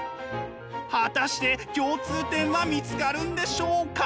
果たして共通点は見つかるんでしょうか？